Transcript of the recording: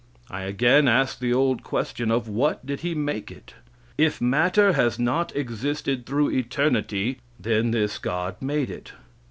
I again ask the old question: of what did He make it? If matter has not existed through eternity, then this God made it.